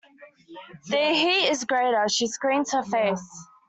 The heat is greater; she screens her face.